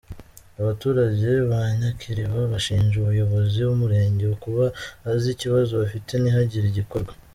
Abaturage ba Nyakiriba bashinja umuyobozi w’Umurenge kuba azi ikibazo bafite ntihagire igikorwai.